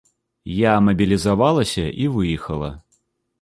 Я мабілізавалася і выехала.